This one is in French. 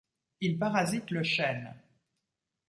Il parasite le chêne.